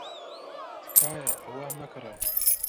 تکایە ئەوە مەکڕە.